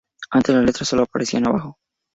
Antes las letras solo aparecían abajo.